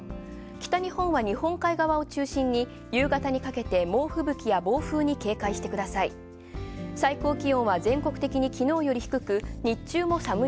北日本は日本海側を中心に夕方にかけて猛吹雪や暴風に警戒してください。